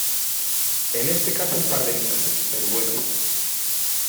en este caso un par de misas, pero bueno...